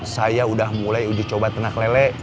saya udah mulai uji coba ternak lele